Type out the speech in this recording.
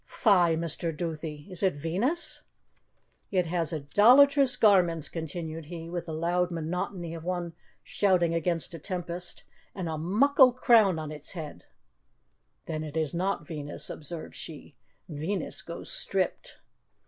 "Fie, Mr. Duthie! Is it Venus?" "It has idolatrous garments," continued he, with the loud monotony of one shouting against a tempest, "and a muckle crown on its head " "Then it is not Venus," observed she. "Venus goes stripped."